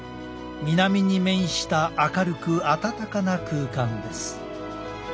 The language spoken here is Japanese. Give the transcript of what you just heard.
南に面した明るく暖かな空間です。